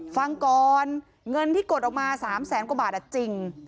ฟังก่อนเงินที่กดออกมา๓แสนกว่าบาทจริง